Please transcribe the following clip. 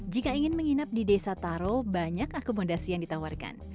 jika ingin menginap di desa taro banyak akomodasi yang ditawarkan